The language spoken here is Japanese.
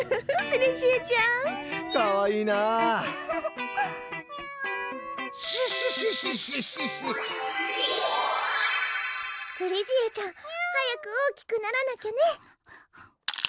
スリジエちゃん早く大きくならなきゃね。